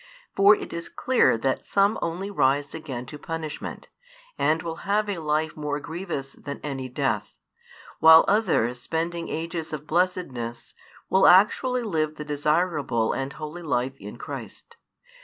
For it is clear that some only rise again to punishment, and will have a life more grievous than any death, while others spending ages of blessedness, will actually live the desirable and holy |325 life in Christ.